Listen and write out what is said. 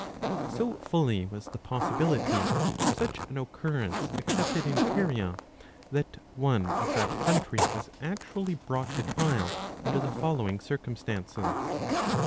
So fully was the possibility of. such an occurrence accepted in Caria, that one of that country was actually brought to trial under the following circumstances.